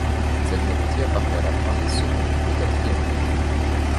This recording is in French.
Cette mélodie apparaît à la fin des second et quatrième mouvements.